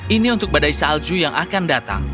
ini untuk badai salju yang akan datang